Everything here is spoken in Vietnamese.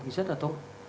thì rất là tốt